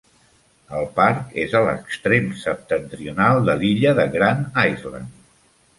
El parc és a l'extrem septentrional de l'illa de Grand Island.